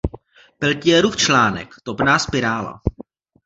Peltierův článek, topná spirála